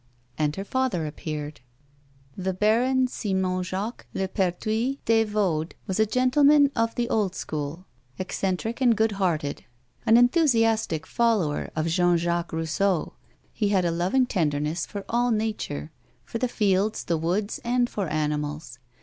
And her father appeared. The Baron Simon Jacques Le Perthuis des Vauds was a gentleman of the old school, eccentric and good hearted. Au enthusiastic follower of Jean Jacques Eousseau, he had a loving tenderness for all nature ; for the fields, the woods, and for animals.